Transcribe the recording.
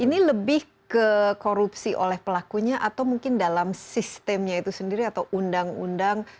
ini lebih ke korupsi oleh pelakunya atau mungkin dalam sistemnya itu sendiri atau undang undang